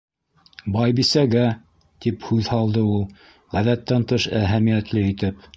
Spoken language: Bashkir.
—Байбисәгә, —тип һүҙ һалды ул, ғәҙәттән тыш әһәмиәтле итеп.